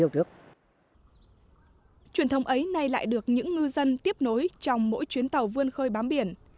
truyền thống ấy nay lại được những ngư dân tiếp nối trong mỗi chuyến tàu vươn khơi bám biển